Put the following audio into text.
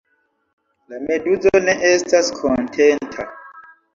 La meduzo ne estas kontenta.